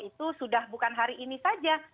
itu sudah bukan hari ini saja